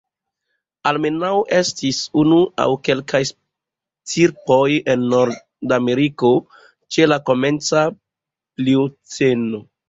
Almenaŭ estis unu aŭ kelkaj stirpoj en Nordameriko ĉe la komenca Plioceno.